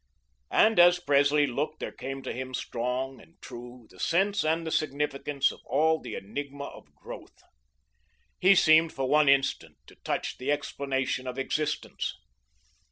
And as Presley looked there came to him strong and true the sense and the significance of all the enigma of growth. He seemed for one instant to touch the explanation of existence.